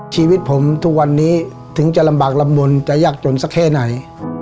ชีวิตผมทุกวันนี้ถึงจะลำบากลำมนจะยากจนสักแค่ไหน